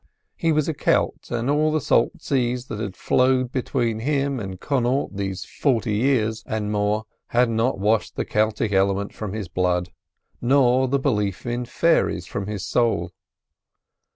He was a Celt, and all the salt seas that had flowed between him and Connaught these forty years and more had not washed the Celtic element from his blood, nor the belief in fairies from his soul.